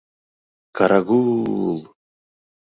— Карагу-ул!